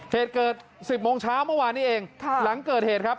เหตุเกิด๑๐โมงเช้าเมื่อวานนี้เองหลังเกิดเหตุครับ